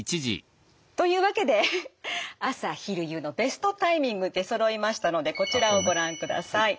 というわけで朝昼夕のベストタイミング出そろいましたのでこちらをご覧ください。